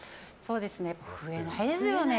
増えないですよね。